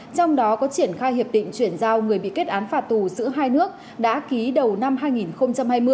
trong đó có triển khai hiệp định chuyển giao người bị kết án phạt tù giữa hai nước đã ký đầu năm hai nghìn hai mươi